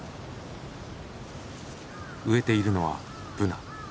植えているのはブナ。